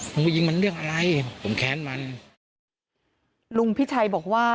มันก็ยิงเรื่องอะไรผมแขนมันลุงพี่ชัยบอกว่า